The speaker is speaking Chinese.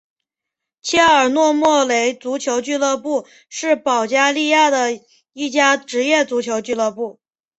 切尔诺莫雷足球俱乐部是保加利亚的一家职业足球俱乐部。